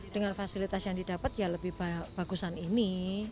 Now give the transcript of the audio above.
dengan fasilitas yang didapat ya lebih bagusan ini